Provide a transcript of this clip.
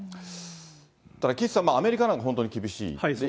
ただ岸さん、アメリカなんか本当に厳しいですね。